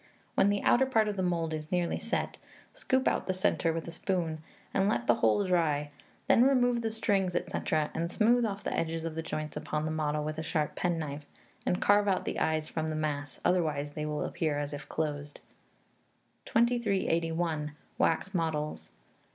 When the outer part of the mould is nearly set, scoop out the centre with a spoon, and let the whole dry; then remove the strings, &c., and smooth off the edges of the joints upon the model with a sharp penknife, and carve out the eyes from the mass, otherwise they will appear as if closed. 2381. Wax Models.